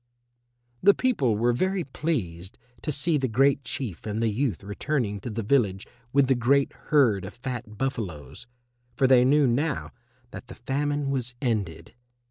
The people were very pleased to see the Great Chief and the youth returning to the village with the great herd of fat buffaloes, for they knew now that the famine was ended.